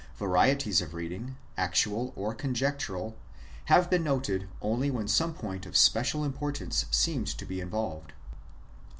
Varieties of reading, actual or conjectural, have been noted only when some point of special importance seemed to be involved.